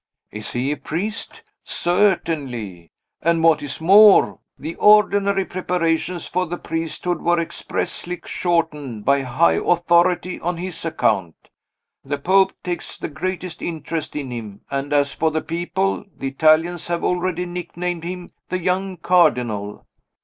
"Is he a priest?" "Certainly! And, what is more, the ordinary preparations for the priesthood were expressly shortened by high authority on his account. The Pope takes the greatest interest in him; and as for the people, the Italians have already nicknamed him 'the young cardinal.